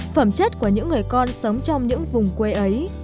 phẩm chất của những người con sống trong những vùng quê ấy